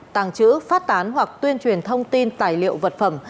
tàng trữ phát tán hoặc tuyên truyền thông tin tài liệu vật phẩm